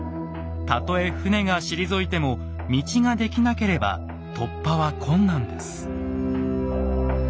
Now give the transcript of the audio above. たとえ船が退いても道が出来なければ突破は困難です。